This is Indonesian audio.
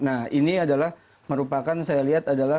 nah ini adalah merupakan saya lihat adalah